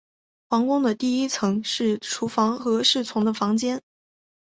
皇宫的第一层是厨房和侍从的房间。